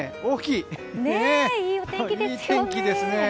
いい天気ですね。